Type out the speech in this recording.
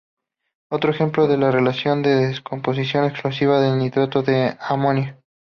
Otro ejemplo es la reacción de descomposición explosiva del nitrato de amonio.